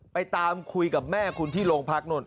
ไปตามคุยกับแม่คุณที่โรงพักนู่น